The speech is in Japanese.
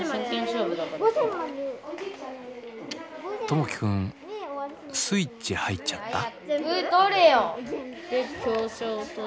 友輝くんスイッチ入っちゃった？